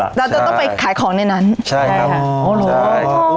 เราจะต้องไปขายของในนั้นใช่ค่ะ